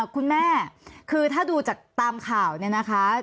คุณแม่คือถ้าดูจากตามข่าวเนี่ยนะคะ